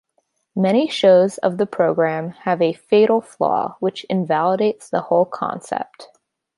Many shows of the program have a "fatal flaw," which invalidates the whole concept.